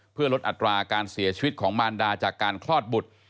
เพื่อลดอัตราการเสียชีวิตของมารดาจากการคลอดบุตร